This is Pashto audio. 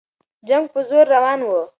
جنګ په زور روان وو.